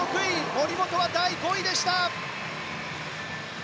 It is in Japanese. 森本は第５位でした。